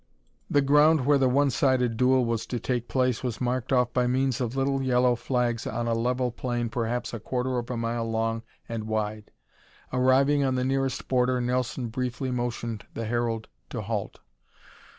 The ground where the one sided duel was to take place was marked off by means of little yellow flags on a level plain perhaps a quarter of a mile long and wide. Arriving on the nearest border Nelson briefly motioned the herald to halt.